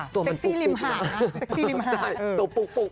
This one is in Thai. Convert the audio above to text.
ตัวมันพุก